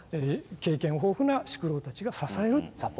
経験豊富な宿老たちが支える。